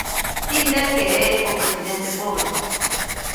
Din del que é "o presidente pobre".